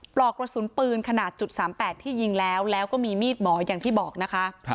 ปลอกกระสุนปืนขนาด๓๘ที่ยิงแล้วแล้วก็มีมีดหมออย่างที่บอกนะคะ